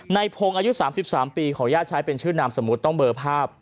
ในพงศ์อายุ๓๓ปีขออนุญาตใช้เป็นชื่อนามสมมุติต้องเบอร์ภาพ